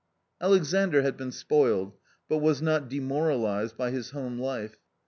Alexandr had been spoiled, but was not demoralised by his home life.